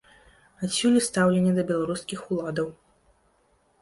Адсюль і стаўленне да беларускіх уладаў.